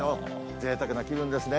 ぜいたくな気分ですね。